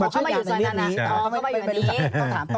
ต้องถาม